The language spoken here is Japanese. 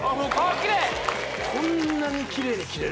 きれいこんなにきれいに切れる？